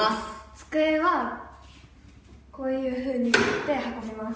机はこういうふうに持って運びます。